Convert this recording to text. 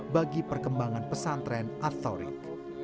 bagi perkembangan pesantren atorik